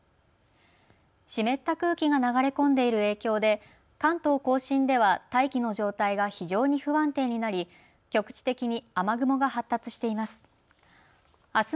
湿った空気が流れ込んでいる影響で関東甲信では大気の状態が非常に不安定になり局地的に雨雲が発達しています。